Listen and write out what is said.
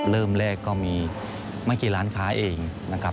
เริ่มแรกก็มีไม่กี่ร้านค้าเองนะครับ